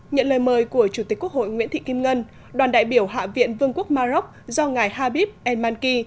nhận lời mời của chủ tịch quốc hội nguyễn thị kim ngân đoàn đại biểu hạ viện vương quốc maroc do ngài habib el manki